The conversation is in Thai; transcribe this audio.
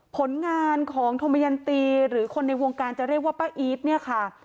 ผลงานของธมยันตีหรือคนในวงการจะเรียกว่าป้าอีทเนี่ยค่ะ